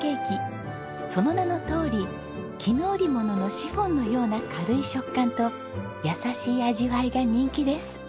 その名のとおり絹織物のシフォンのような軽い食感と優しい味わいが人気です。